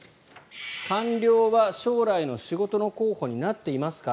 官僚は将来の仕事の候補になっていますか。